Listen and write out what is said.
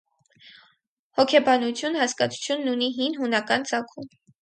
Հոգեբանություն հասկացությունն ունի հին հունական ծագում։